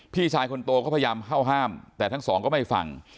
พี่ชายคนโตก็พยายามเข้าห้ามแต่ทั้งสองก็ไม่ฟัง